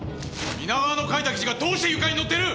皆川の書いた記事がどうして夕刊に載ってる！？